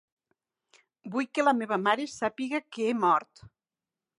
Vull que la meva mare sàpiga que he mort.